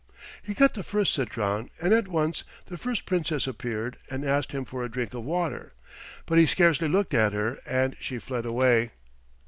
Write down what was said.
He cut the first citron, and at once the first Princess appeared and asked him for a drink of water, but he scarcely looked at her, and she fled away.